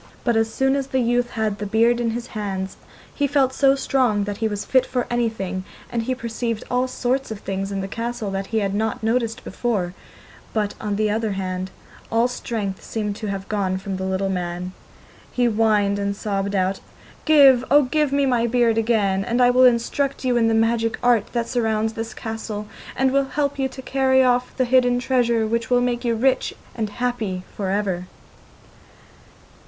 But as soon as the youth had the beard in his hands he felt so strong that he was fit for anything, and he perceived all sorts of things in the castle that he had not noticed before, but, on the other hand, all strength seemed to have gone from the little man. He whined and sobbed out: 'Give, oh give me my beard again, and I will instruct you in all the magic art that surrounds this castle, and will help you to carry off the hidden treasure, which will make you rich and happy for ever.